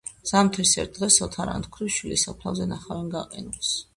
ზამთრის ერთ დღეს ოთარაანთ ქვრივს შვილის საფლავზე ნახავენ გაყინულს.